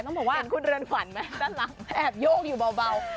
เห็นคุณเรือนฝันไหมด้านหลังแอบโยกอยู่เบา